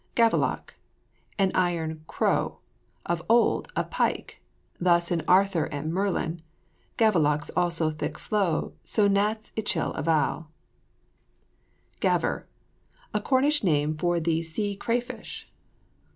GAVELOCK. An iron crow. Of old, a pike; thus in Arthur and Merlin "Gavelokes also thicke flowe So gnattes, ichil avowe." GAVER. A Cornish name for the sea cray fish.